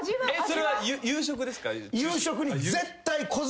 それは夕食ですか？